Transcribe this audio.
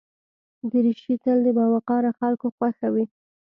دریشي تل د باوقاره خلکو خوښه وي.